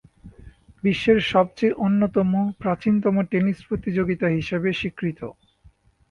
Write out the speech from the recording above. বিশ্বের সবচেয়ে অন্যতম প্রাচীনতম টেনিস প্রতিযোগিতা হিসেবে স্বীকৃত।